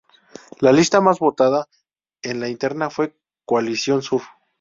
La lista más votada en la interna fue Coalición Sur.